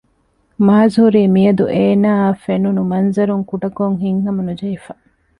މާޒް ހުރީ މިއަދު އޭނާއަށް ފެނުނު މަންޒަރުން ކުޑަކޮށް ހިތްހަމަނުޖެހިފަ